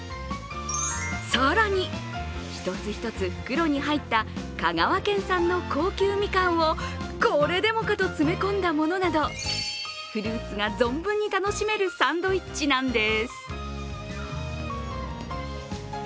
更に、一つ一つ袋に入った香川県産の高級みかんをこれでもかと詰め込んだものなどフルーツが存分に楽しめるサンドイッチなんです。